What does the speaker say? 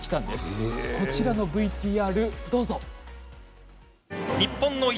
こちらのＶＴＲどうぞ！